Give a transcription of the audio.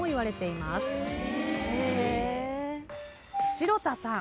城田さん。